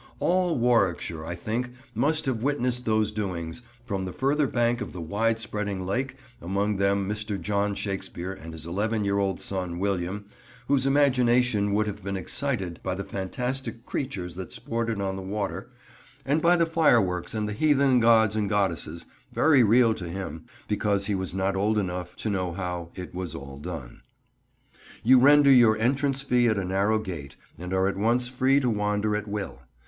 All Warwickshire, I think, must have witnessed those doings, from the further bank of the widespreading lake, among them Mr. John Shakespeare and his eleven year old son, William, whose imagination would have been excited by the fantastic creatures that sported on the water, and by the fireworks and the heathen gods and goddesses: very real to him, because he was not old enough to know how it was all done. You render your entrance fee at a narrow gate and are at once free to wander at will.